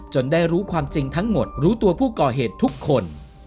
ได้รู้ความจริงทั้งหมดรู้ตัวผู้ก่อเหตุทุกคน